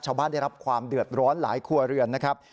ได้รับความเดือดร้อนหลายครัวเรือนนะครับ